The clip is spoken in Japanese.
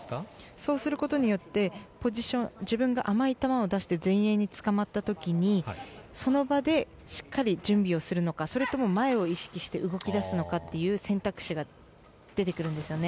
そうすることによってポジション自分が甘い球を出して前衛につかまった時にその場でしっかり準備をするのかそれとも前を意識して動き出すのかという選択肢が出てくるんですね。